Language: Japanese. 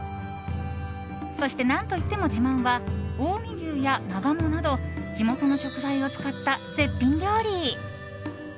そして、何といっても自慢は近江牛や真鴨など地元の食材を使った絶品料理。